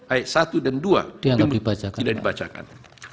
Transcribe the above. ayat satu dan dua yang tidak dibacakan